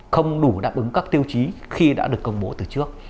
không đủ đáp ứng các tiêu chí khi đã được công bố từ trước